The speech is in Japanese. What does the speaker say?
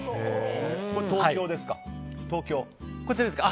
これは東京ですか？